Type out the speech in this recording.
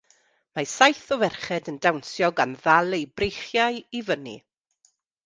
mae saith o ferched yn dawnsio gan ddal eu breichiau i fyny.